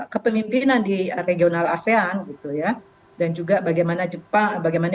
kepemimpinan di regional asean gitu ya dan juga bagaimana jepang bagaimana